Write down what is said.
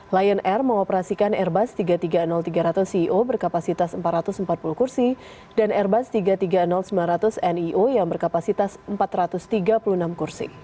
lion air mengoperasikan airbus tiga ratus tiga puluh ribu tiga ratus ceo berkapasitas empat ratus empat puluh kursi dan airbus tiga ratus tiga puluh sembilan ratus neo yang berkapasitas empat ratus tiga puluh enam kursi